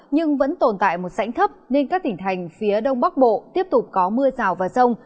nhưng vẫn tồn tại một sãnh thấp nên các tỉnh thành phía đông bắc bộ tiếp tục có mưa rào và rông